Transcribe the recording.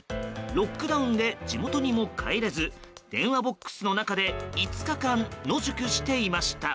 ロックダウンで地元にも帰れず電話ボックスの中で５日間野宿していました。